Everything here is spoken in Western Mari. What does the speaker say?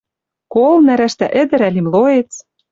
Кол, нӓрӓштӓ ӹдӹр ӓли млоец